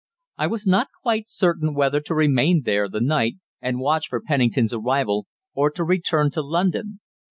I was not quite certain whether to remain there the night and watch for Pennington's arrival, or to return to London.